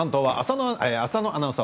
浅野アナウンサー